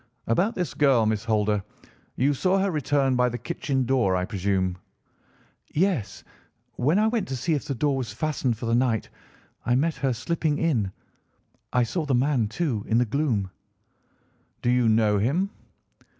About this girl, Miss Holder. You saw her return by the kitchen door, I presume?" "Yes; when I went to see if the door was fastened for the night I met her slipping in. I saw the man, too, in the gloom." "Do you know him?"